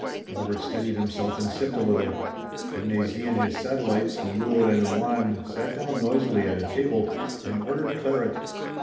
Robert steadied himself and sipped a little. De Mézy and his satellites, Nemours and Le Moyne, sat down noisily at a table and ordered claret.